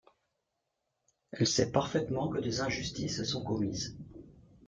Elle sait parfaitement que des injustices sont commises.